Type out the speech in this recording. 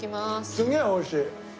すげえおいしい。